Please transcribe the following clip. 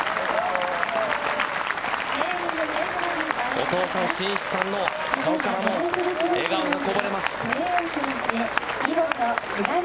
お父さん、真一さんの顔からも笑顔がこぼれます。